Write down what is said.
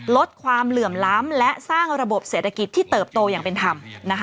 ลดความเหลื่อมล้ำและสร้างระบบเศรษฐกิจที่เติบโตอย่างเป็นธรรม